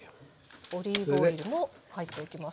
オリーブオイルも入っていきます。